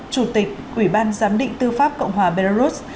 chủ tịch ủy ban giám định tư pháp cộng hòa belarus